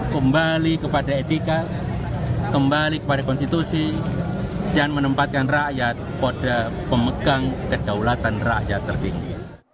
kembali kepada etika kembali kepada konstitusi dan menempatkan rakyat pada pemegang kedaulatan rakyat tertinggi